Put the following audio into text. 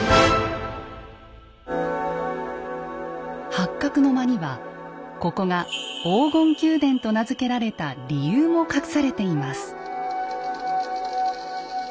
八角の間にはここが「黄金宮殿」と名付けられた理由も隠されています。